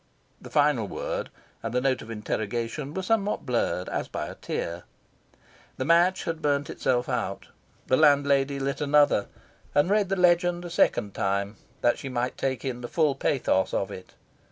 The final word and the note of interrogation were somewhat blurred, as by a tear. The match had burnt itself out. The landlady lit another, and read the legend a second time, that she might take in the full pathos of it.